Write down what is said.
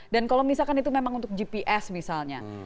dan kalau misalkan itu memang untuk gps misalnya